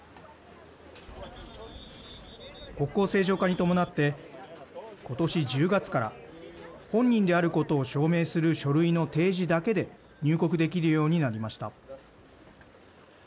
国交正常化に伴って今年１０月から本人であることを証明する書類の提示だけで入国できるようになりました。